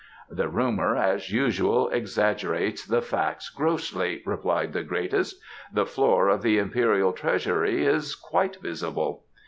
"The rumour, as usual, exaggerates the facts grossly," replied the Greatest. "The floor of the Imperial treasury is quite visible."